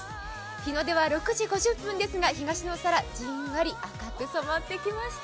日の出は６時５０分ですが、東の空、じんわり赤く染まってきました。